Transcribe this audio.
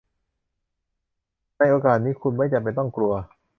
ในโอกาสนี้คุณไม่จำเป็นต้องกลัว